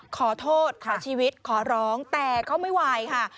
ขอโทษขอชีวิตขอร้องแต่เขาไม่ไหวค่ะ